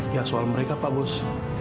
ya soal mereka pak bos